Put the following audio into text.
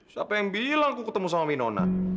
siapa yang bilang aku ketemu sama minona